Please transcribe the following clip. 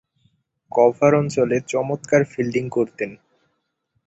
Cover অঞ্চলে চমৎকার fielding করতেন।